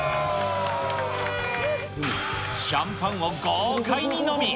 シャンパンを豪快に飲み。